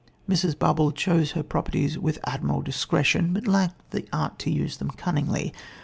Mrs. Barbauld chose her properties with admirable discretion, but lacked the art to use them cunningly.